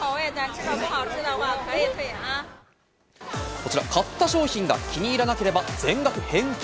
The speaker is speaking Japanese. こちら、買った商品が気に入らなければ全額返金。